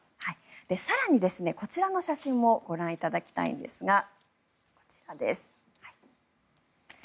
更に、こちらの写真もご覧いただきたいんですがこちらです。